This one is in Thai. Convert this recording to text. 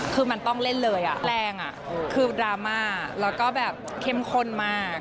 คือมันต้องเล่นเลยอ่ะแรงคือดราม่าแล้วก็แบบเข้มข้นมาก